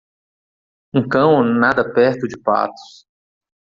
um cão nada perto de patos.